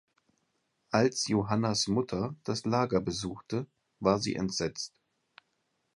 Als Johannas Mutter das Lager besuchte, war sie entsetzt.